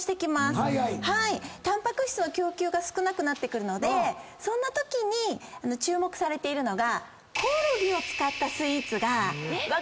タンパク質の供給が少なくなってくるのでそんなときに注目されているのが。